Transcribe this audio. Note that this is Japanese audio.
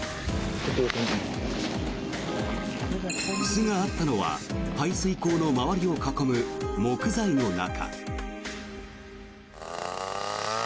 巣があったのは排水溝の周りを囲む木材の中。